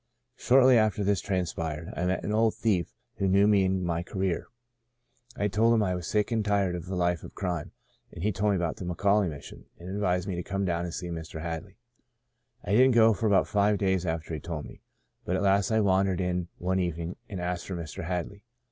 Shortly after this transpired I met an old thief who knew me and my career. I told Sons of Ishmael 107 him I was sick and tired of a life of crime, and he told me about the McAuley Mission, and advised me to come down and see Mr. Hadley. I didn't go for about five days after he told me, but at last I wandered in one evening, and asked for Mr. Hadley.